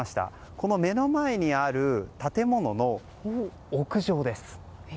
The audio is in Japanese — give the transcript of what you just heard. この、目の前にある建物の屋上です。